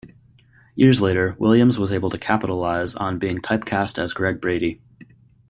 Years later, Williams was able to capitalize on being typecast as Greg Brady.